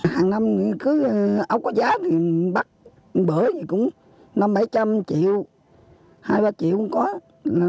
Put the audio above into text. hàng năm cứ ốc có giá thì bắt bởi gì cũng năm bảy trăm linh triệu hai ba triệu cũng có